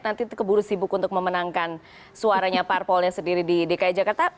nanti keburu sibuk untuk memenangkan suaranya parpolnya sendiri di dki jakarta